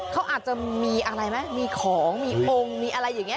เขาอาจจะมีอะไรไหมมีของมีองค์มีอะไรอย่างนี้